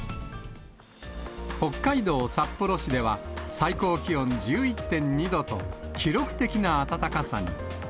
北海道札幌市では、最高気温１１．２度と、記録的な暖かさに。